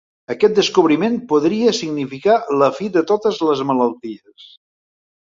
Aquest descobriment podria significar la fi de totes les malalties.